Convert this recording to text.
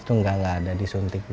itu gak ada disuntik